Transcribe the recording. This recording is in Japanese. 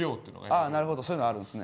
ああなるほどそういうのがあるんですね。